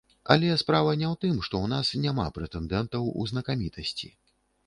Але справа не ў тым, што ў нас няма прэтэндэнтаў у знакамітасці.